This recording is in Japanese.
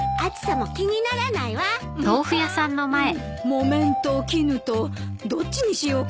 木綿と絹とどっちにしようかしら。